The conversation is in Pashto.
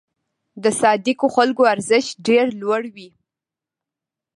د صادقو خلکو ارزښت ډېر لوړ وي.